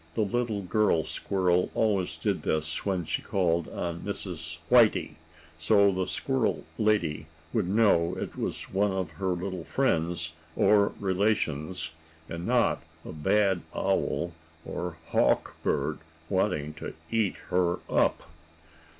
The little girl squirrel always did this when she called on Mrs. Whitey, so the squirrel lady would know it was one of her little friends or relations, and not a bad owl, or hawk bird, wanting to eat her up.